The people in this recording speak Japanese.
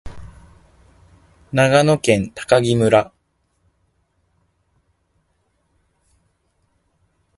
長野県喬木村